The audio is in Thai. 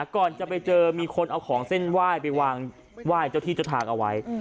ก่อนจะไปเจอมีคนเอาของเส้นไหว้ไปวางไหว้เจ้าที่เจ้าทางเอาไว้